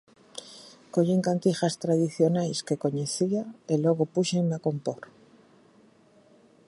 Collín cantigas tradicionais que coñecía e logo púxenme a compor.